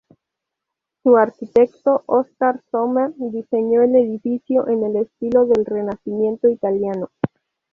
Su arquitecto, Oskar Sommer, diseñó el edificio en el estilo del Renacimiento italiano.